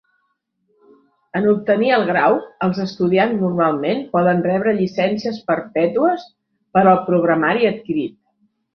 En obtenir el grau, els estudiants normalment poden rebre llicències perpètues per al programari adquirit.